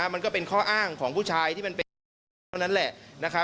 มันก็เป็นข้ออ้างของผู้ชายที่มันเป็นการเท่านั้นแหละ